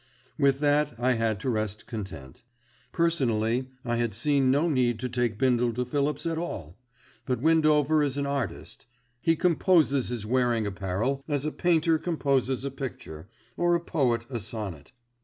With that I had to rest content. Personally I had seen no need to take Bindle to Phillips at all; but Windover is an artist, he "composes" his wearing apparel as a painter composes a picture, or a poet a sonnet.